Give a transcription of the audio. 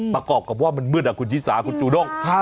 ประกอบกับว่ามันเมืองอ่ะคุณยี่สาคุณจู่ด้ง